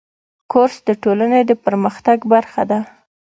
کورس د ټولنې د پرمختګ برخه ده.